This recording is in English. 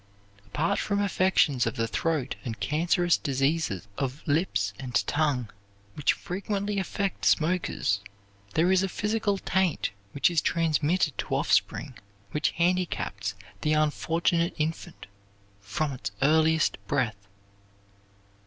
Apart from affections of the throat and cancerous diseases of lips and tongue which frequently affect smokers there is a physical taint which is transmitted to offspring which handicaps the unfortunate infant "from its earliest breath."